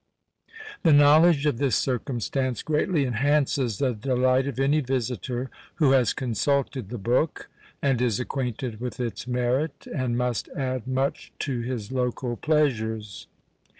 The knowledge of this circumstance greatly enhances the delight of any visitor who has consulted the book, and is acquainted with its merit; and must add much to his local pleasures."